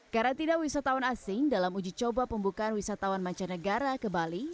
karantina wisatawan asing dalam uji coba pembukaan wisatawan mancanegara ke bali